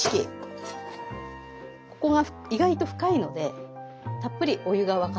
ここが意外と深いのでたっぷりお湯が沸かせるので。